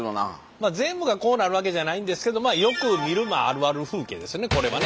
まあ全部がこうなるわけじゃないんですけどまあよく見るあるある風景ですねこれはね。